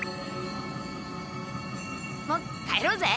もう帰ろうぜ。